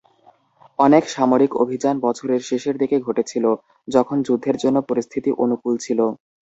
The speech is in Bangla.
অনেক সামরিক অভিযান বছরের শেষের দিকে ঘটেছিল, যখন যুদ্ধের জন্য পরিস্থিতি অনুকূল ছিল।